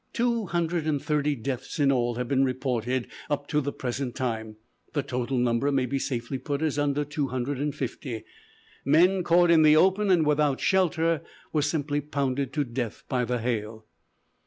"Two hundred and thirty deaths in all have been reported up to the present time. The total number may be safely put as under two hundred and fifty. Men caught in the open and without shelter, were simply pounded to death by the hail."